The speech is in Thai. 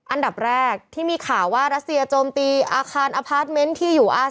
อันดับแรกที่มีข่าวว่ารัสเซียโจมตีอาคารอพาร์ทเมนต์ที่อยู่อาศัย